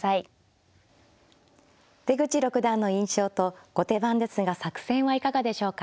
出口六段の印象と後手番ですが作戦はいかがでしょうか。